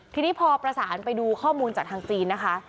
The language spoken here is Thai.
ทีนี้พอประสานไปดูข้อมูลจากทางจีนนะคะ